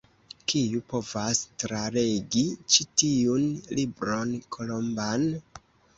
Kiu povas tralegi ĉi tiun Libron Kolomban?